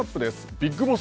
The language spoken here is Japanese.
ビッグボス